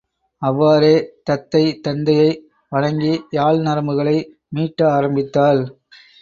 அவ்வாறே தத்தை தந்தையை வணங்கி யாழ் நரம்புகளை மீட்ட ஆரம்பித்தாள்.